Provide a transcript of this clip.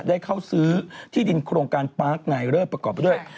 ได้เข้าซื้อที่ดินโครงการปาร์คไนเลิศประกอบไปด้วย